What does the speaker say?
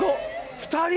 ２人？